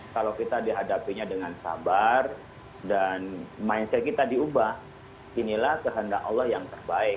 kalau kita dihadapinya dengan sabar dan mindset kita diubah inilah kehendak allah yang terbaik